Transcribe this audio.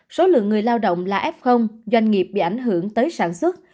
số lượng người lao động là f doanh nghiệp bị ảnh hưởng tới sản xuất